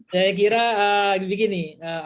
saya kira begini